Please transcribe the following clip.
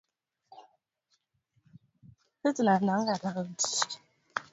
tarehe tano mwezi wa pili mwaka elfu moja mia tisa sabini na saba